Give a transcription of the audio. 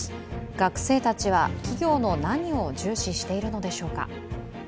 学生たちは企業の何を重視しているのでしょうか。